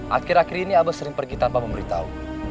akhir akhir ini abah sering pergi tanpa memberitahu